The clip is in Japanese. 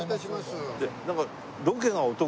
でなんか。